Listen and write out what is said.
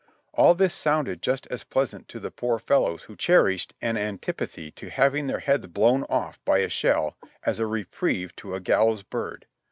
All this sounded just as pleasant to the poor fellows who cherished an antipathy to having their heads blown off by a shell as a reprieve to a gallows bird.